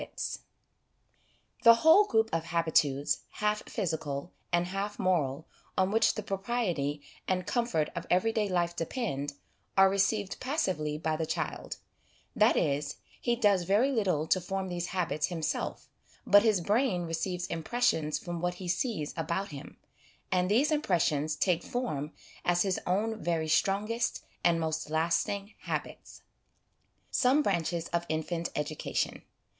ITS ' The whole group of habitudes, half physical and half moral, on which the propriety and comfort of 'HABIT IS TEN NATURES* 12$ everyday life depend, are received passively by the child ; that is, he does very little to form these habits himself, but his brain receives impressions from what he sees about him ; and these impressions take form as his own very strongest and most lasting habits. Some Branches of Infant Education.